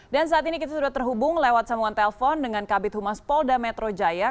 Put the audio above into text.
dan saat ini kita sudah terhubung lewat samuan telpon dengan kabit humas polda metro jaya